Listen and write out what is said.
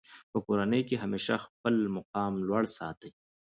په کورنۍ کښي همېشه خپل مقام لوړ ساتئ!